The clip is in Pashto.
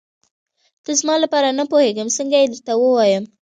ته زما لپاره نه پوهېږم څنګه یې درته ووايم.